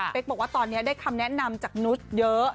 บอกว่าตอนนี้ได้คำแนะนำจากนุษย์เยอะ